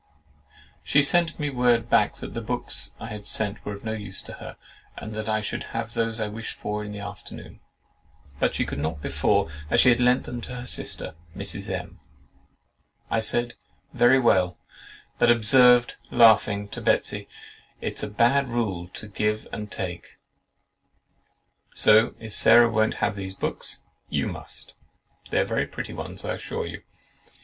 She sent me word back that the books I had sent were of no use to her, and that I should have those I wished for in the afternoon; but that she could not before, as she had lent them to her sister, Mrs. M——. I said, "very well;" but observed to Betsey, "It's a bad rule to give and take; so, if Sarah won't have these books, you must; they are very pretty ones, I assure you."